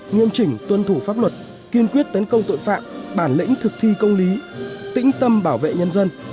nghiêm chỉnh tuân thủ pháp luật kiên quyết tấn công tội phạm bản lĩnh thực thi công lý tĩnh tâm bảo vệ nhân dân